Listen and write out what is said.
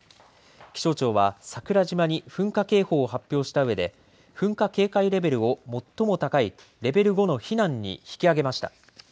気象庁は桜島に噴火警報を発表したうえで噴火警戒レベルを最も高いレベル５の避難に引き上げました。